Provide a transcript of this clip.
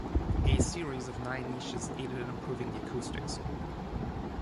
A series of nine niches aided in improving the acoustics.